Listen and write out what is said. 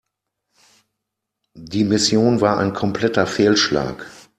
Die Mission war ein kompletter Fehlschlag.